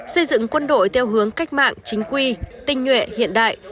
xây dựng quân đội theo hướng cách mạng chính quy tinh nhuệ hiện đại